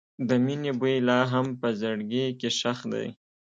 د مینې بوی لا هم په زړګي کې ښخ دی.